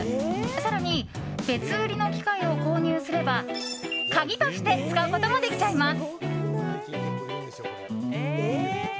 更に、別売りの機械を購入すれば鍵として使うこともできちゃいます。